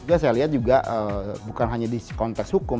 saya lihat juga bukan hanya di konteks hukum